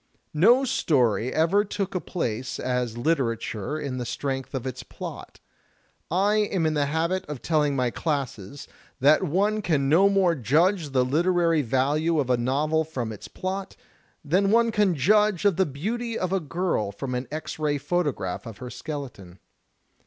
No story ever took a place as litera ture on the strength of its plot. I am in the habit of telling my classes that one can no more judge the literary value of a novel from its plot, than one can judge of the beauty of a girl from an X ray photograph of her skeleton.